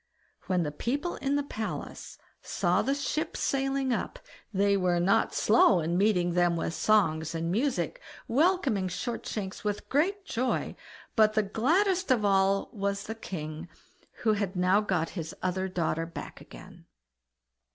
When the people in the palace saw the ship sailing up, they were not slow in meeting them with songs and music, welcoming Shortshanks with great joy; but the gladdest of all was the king, who had now got his other daughter back again.